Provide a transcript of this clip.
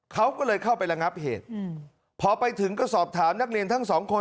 เขาก็เลยเข้าไประงับเหตุพอไปถึงก็สอบถามนักเรียนทั้งสองคน